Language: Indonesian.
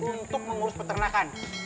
untuk mengurus peternakan